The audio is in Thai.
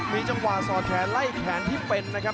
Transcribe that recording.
มีจังหวะสอดแขนไล่แขนที่เป็นนะครับ